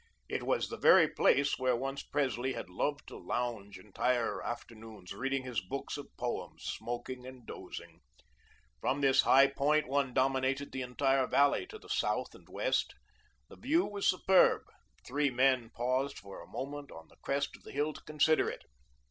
It was the very place where once Presley had loved to lounge entire afternoons, reading his books of poems, smoking and dozing. From this high point one dominated the entire valley to the south and west. The view was superb. The three men paused for a moment on the crest of the hill to consider it.